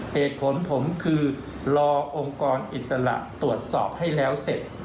เหตุผลผมคือรอองค์กรอิสระตรวจสอบให้แล้วเสร็จ